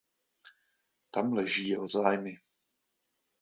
Tam leží jeho zájmy.